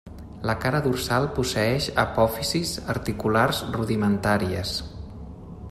La cara dorsal posseeix apòfisis articulars rudimentàries.